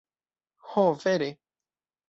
Ho, vere.